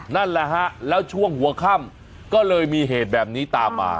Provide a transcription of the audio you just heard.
นั่นแหละฮะแล้วช่วงหัวค่ำก็เลยมีเหตุแบบนี้ตามมา